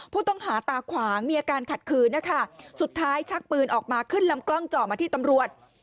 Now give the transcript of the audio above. ผู้ต้องหาตาขวางมีอาการขัดคืนนะคะสุดท้ายชักปืนออกมาขึ้นลำกล้องเจาะมาที่ตำรวจ